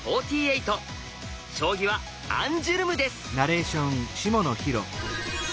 将棋はアンジュルムです。